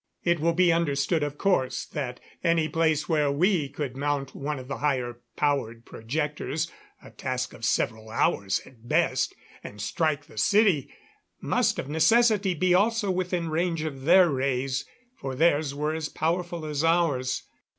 It will be understood, of course, that any place where we could mount one of the higher powered projectors, a task of several hours at best, and strike the city, must of necessity be also within range of their rays, for theirs were as powerful as ours.